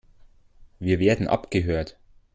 Wir werden abgehört.